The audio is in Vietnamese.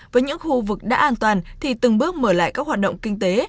với những khu vực đã an toàn thì từng bước mở lại các hoạt động kinh tế